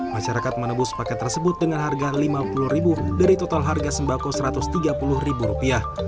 masyarakat menebus paket tersebut dengan harga rp lima puluh dari total harga sembako rp satu ratus tiga puluh